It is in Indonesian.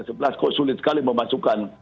bilang kita sebelas kok sulit sekali memasukkan